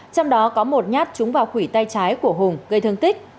trong đó có một nhát trúng vào khủy tay trái của hùng gây thương tích